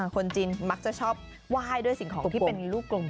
คนจีนมักจะชอบไหว้ด้วยสิ่งของที่เป็นลูกกลม